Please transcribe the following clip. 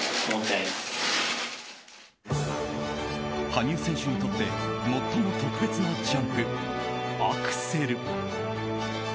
羽生選手にとって最も特別なジャンプ、アクセル。